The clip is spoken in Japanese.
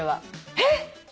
えっ！？